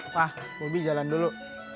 pak mobi jalan dulu